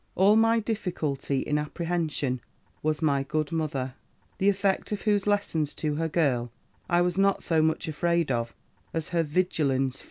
"All my difficulty, in apprehension, was my good mother; the effect of whose lessons to her girl, I was not so much afraid of as her vigilance.